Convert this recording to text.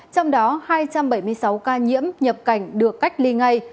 trong đó hai trăm bảy mươi sáu ca nhiễm nhập cảnh được cách ly ngay